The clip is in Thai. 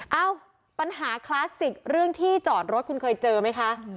เอ้าปัญหาคลาสสิกเรื่องที่จอดรถคุณเคยเจอไหมคะ